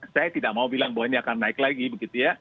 saya tidak mau bilang bahwa ini akan naik lagi begitu ya